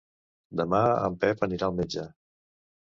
Demà en Pep anirà al metge.